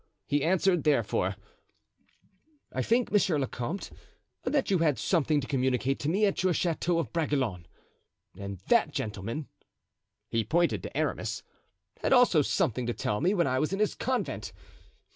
He answered therefore: "I think, monsieur le comte, that you had something to communicate to me at your chateau of Bragelonne, and that gentleman"—he pointed to Aramis—"had also something to tell me when I was in his convent.